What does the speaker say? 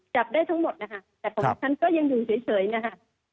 จับได้ทั้งหมดนะคะแต่ของฉันก็ยังอยู่เฉยนะคะ